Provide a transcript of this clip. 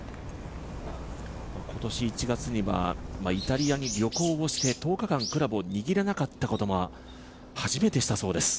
今年１月にはイタリアに旅行をして１０日間クラブを握れなかったことも初めてしたそうです。